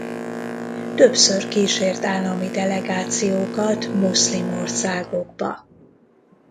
Többször kísért állami delegációkat muszlim országokba.